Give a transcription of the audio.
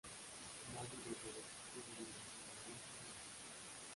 Módulo dos, es igual a la invariante de Arf.